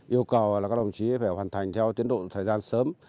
yêu cầu là các đồng chí phải hoàn thành theo tiến độ thời gian sớm